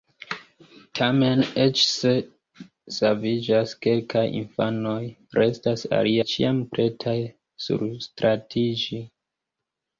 Tamen eĉ se “saviĝas kelkaj infanoj, restas aliaj ĉiam pretaj surstratiĝi.